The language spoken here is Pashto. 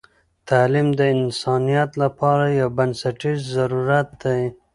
تعلیم د انسانیت لپاره یو بنسټیز ضرورت دی.